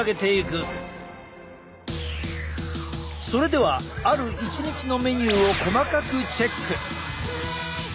それではある一日のメニューを細かくチェック！